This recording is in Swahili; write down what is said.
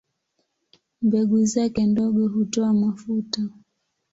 Mbegu zake ndogo hutoa mafuta.